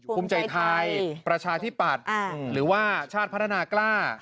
คุมใจไทยประชาที่ปัดหรือว่าชาติพัฒนากล้า